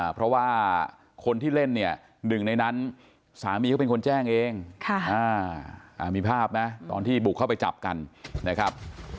เพราะว่าคนที่เล่นเนี่ยหนึ่งในนั้นสามีเขาเป็นคนแจ้งเองมีภาพไหมตอนที่บุกเข้าไปจับกันนะครับ